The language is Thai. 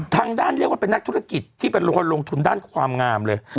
ทางด้านเรียกว่าเป็นนักธุรกิจที่เป็นคนลงทุนด้านความงามเลย